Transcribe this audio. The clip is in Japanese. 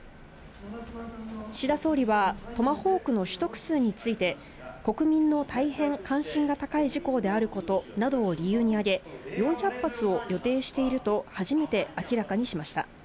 岸田総理は、トマホークの取得数について、国民の大変関心が高い事項であることなどを理由に挙げ、４００発を予定していると、初めて明らかにしました。